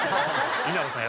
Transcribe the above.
稲葉さん